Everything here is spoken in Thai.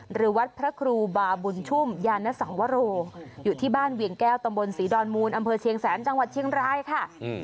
หรือวัดพระครูบาบุญชุ่มยานสังวโรอยู่ที่บ้านเวียงแก้วตำบลศรีดอนมูลอำเภอเชียงแสนจังหวัดเชียงรายค่ะ